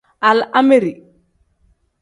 Alaameri.